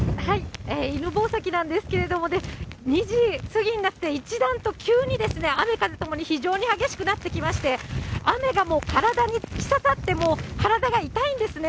犬吠埼なんですけれども、２時過ぎになって、一段と、急に雨風ともに非常に激しくなってきまして、雨がもう体に突き刺さって、もう体が痛いんですね。